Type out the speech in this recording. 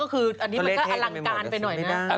คืออันนี้มันก็อลังการไปหน่อยนะ